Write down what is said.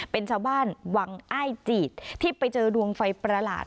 เป็นชาวบ้านวังอ้ายจีดที่ไปเจอดวงไฟประหลาด